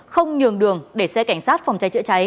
không nhường đường để xe cảnh sát phòng cháy chữa cháy